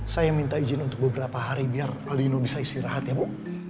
saya minta izin untuk beberapa hari biar aldino bisa istirahat ya bu